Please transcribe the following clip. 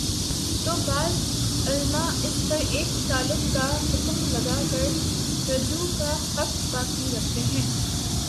تو بعض علما اس پر ایک طلاق کا حکم لگا کر رجوع کا حق باقی رکھتے ہیں